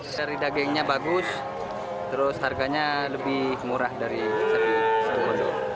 dari dagingnya bagus terus harganya lebih murah dari situ bondo